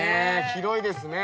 広いですね。